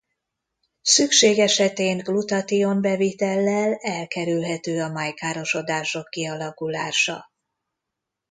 Szükség esetén glutation-bevitellel elkerülhető a májkárosodások kialakulása.